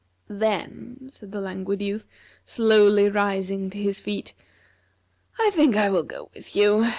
"Then," said the Languid Youth, slowly rising to his feet, "I think I will go with you.